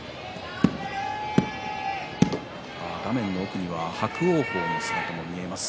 画面の奥には伯桜鵬の姿も見えます。